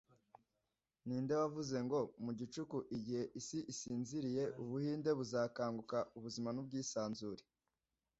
Ninde wavuze ngo 'Mu gicuku, igihe isi isinziriye, Ubuhinde buzakanguka ubuzima n'ubwisanzure'